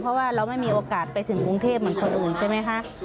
เพราะว่าเราไม่มีโอกาสไปถึงกรุงเทพเหมือนคนอื่นใช่ไหมคะ